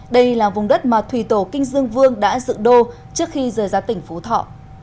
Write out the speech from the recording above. đây là vùng đất mà thủy tổ kinh dương vương đã dự đô trước khi rời ra tỉnh phú thọ